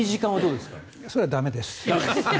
それは駄目です。